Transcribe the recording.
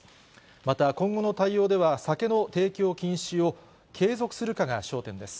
また今後の対応では、酒の提供禁止を継続するかが焦点です。